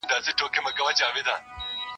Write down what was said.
هسي نه چي وروڼه دي يو چم درته جوړ کړي.